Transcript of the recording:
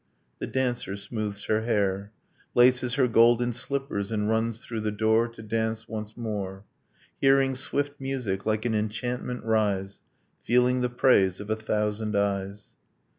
. The dancer smooths her hair, Laces her golden slippers, and runs through the door To dance once more, Hearing swift music like an enchantment rise, Feeling the praise of a thousand eyes.